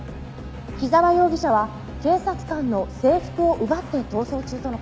「木沢容疑者は警察官の制服を奪って逃走中との事です」